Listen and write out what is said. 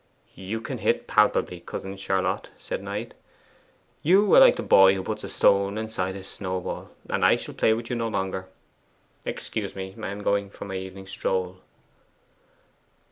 'You can hit palpably, cousin Charlotte,' said Knight. 'You are like the boy who puts a stone inside his snowball, and I shall play with you no longer. Excuse me I am going for my evening stroll.